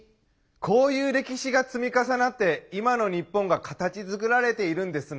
こういう歴史が積み重なって今の日本が形づくられているんですなあ。